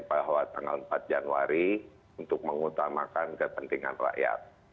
bahwa tanggal empat januari untuk mengutamakan kepentingan rakyat